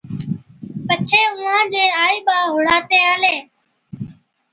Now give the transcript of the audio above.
پڇي اُونهان چين آئِي ٻاءَ هُڙاتين آلين